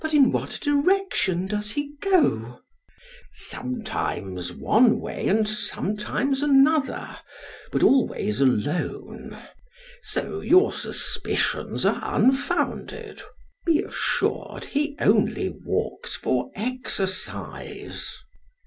"But in what direction does he go?" "Sometimes one way, and sometimes another, but always alone; so your suspicions are unfounded. Be assured, he only walks for exercise."